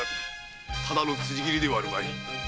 ただの辻斬りではあるまい。